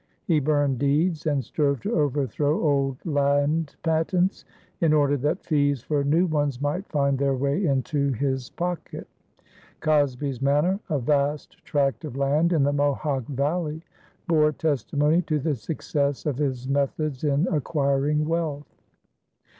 He burned deeds and strove to overthrow old land patents, in order that fees for new ones might find their way into his pocket. "Cosby's Manor," a vast tract of land in the Mohawk Valley, bore testimony to the success of his methods in acquiring wealth.